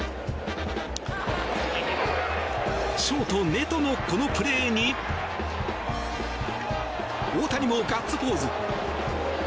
ショート、ネトのこのプレーに大谷もガッツポーズ。